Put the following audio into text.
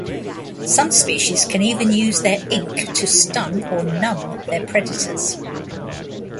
Some species can even use their ink to stun or numb their predators.